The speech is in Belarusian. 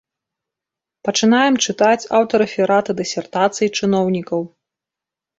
Пачынаем чытаць аўтарэфераты дысертацый чыноўнікаў.